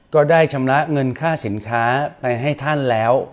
ก็ได้ชำระเงินค่าสินค้าไปให้ท่านแล้ว